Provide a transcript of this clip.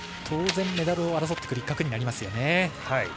当然メダルを争ってくる一角になりますよね。